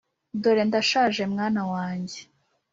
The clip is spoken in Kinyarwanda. dore Ndashaje mwana wanjye